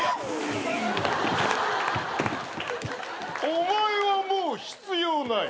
お前はもう必要ない。